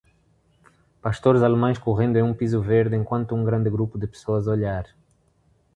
Pastores alemães correndo em um piso verde, enquanto um grande grupo de pessoas olhar.